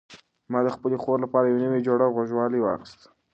ما د خپلې خور لپاره یو نوی جوړه غوږوالۍ واخیستې.